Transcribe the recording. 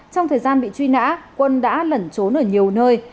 trong thời gian bị truy nã quân đã lẩn trốn ở nhiều nơi